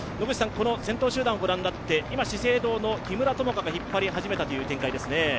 先頭集団を御覧になって、今、資生堂の木村友香が引っ張り始めたという展開ですね？